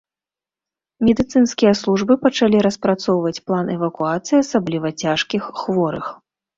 Медыцынскія службы пачалі распрацоўваюць план эвакуацыі асабліва цяжкіх хворых.